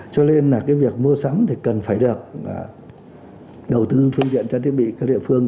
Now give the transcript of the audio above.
cho nên là cái việc mua sắm thì cần phải được đầu tư phương tiện trang thiết bị các địa phương